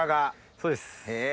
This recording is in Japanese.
そうです。